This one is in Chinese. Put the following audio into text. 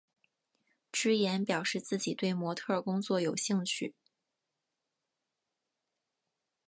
芝妍表示自己对模特儿工作有兴趣。